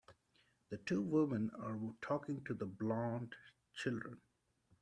The two women are talking to the blond children.